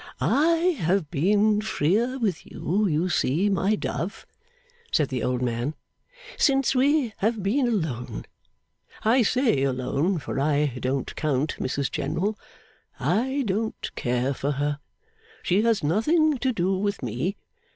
'I have been freer with you, you see, my dove,' said the old man, 'since we have been alone. I say, alone, for I don't count Mrs General; I don't care for her; she has nothing to do with me.